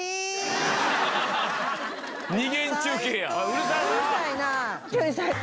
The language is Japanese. うるさいな！